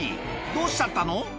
どうしちゃったの？